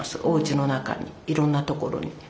おうちの中にいろんなところに。